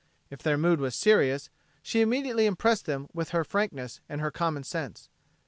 If their mood was serious, she immediately impressed them with her frankness and her common sense.